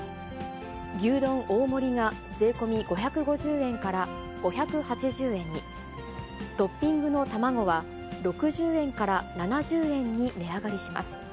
牛丼大盛が税込み５５０円から５８０円に、トッピングの卵は６０円から７０円に値上がりします。